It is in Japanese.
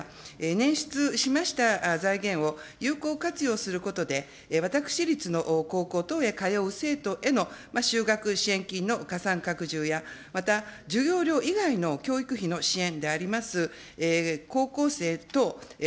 ねん出しました財源を有効活用することで、私立の高校等へ通う生徒への就学支援金の加算拡充や、また授業料以外の教育費の支援であります